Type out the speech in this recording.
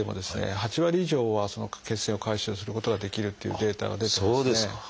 ８割以上はその血栓を回収することができるっていうデータが出てますね。